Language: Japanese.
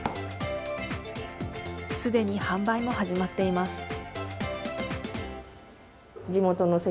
すでに販売も始まっています。